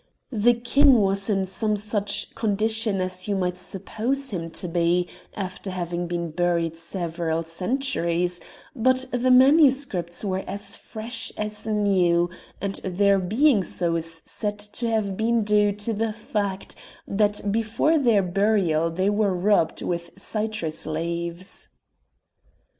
The king was in some such condition as you might suppose him to be after having been buried several centuries, but the manuscripts were as fresh as new, and their being so is said to have been due to the fact that before their burial they were rubbed with citrus leaves.